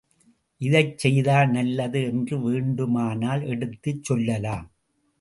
இதைச் செய்தால் நல்லது என்று வேண்டுமானால் எடுத்துச் சொல்லலாம்.